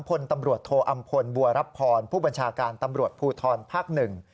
พลตำรวจโทอำพลบัวรับพรผู้บัญชาการตำรวจภูทรภาคหนึ่ง